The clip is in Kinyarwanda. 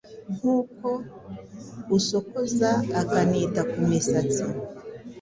nkuko usokoza akanita ku misatsi